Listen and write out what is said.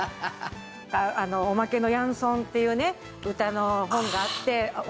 おまけの「ヤンソン」っていう歌の本があって。